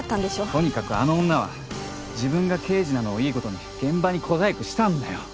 とにかくあの女は自分が刑事なのをいいことに現場に小細工したんだよ！